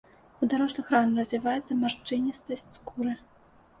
У дарослых рана развіваецца маршчыністасць скуры.